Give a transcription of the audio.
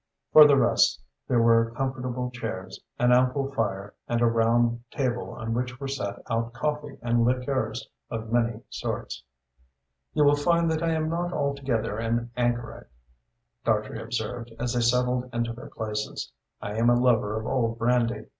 For the rest, there were comfortable chairs, an ample fire, and a round table on which were set out coffee and liqueurs of many sorts. "You will find that I am not altogether an anchorite," Dartrey observed, as they settled into their places. "I am a lover of old brandy.